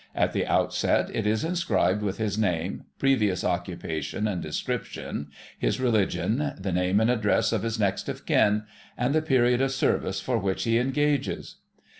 At the outset it is inscribed with his name, previous occupation and description, his religion, the name and address of his next of kin, and the period of service for which he engages.